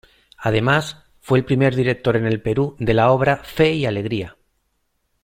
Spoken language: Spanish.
Además, fue el primer director en el Perú de la obra "Fe y Alegría".